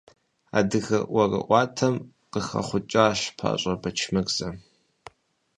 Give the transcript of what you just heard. Адыгэ ӀуэрыӀуатэм къыхэхъукӀащ ПащӀэ Бэчмырзэ.